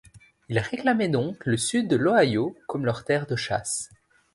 Ils réclamaient donc le sud de l'Ohio comme leur terres de chasses.